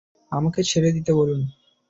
আমাকে ছেড়ে দিতে বলুন।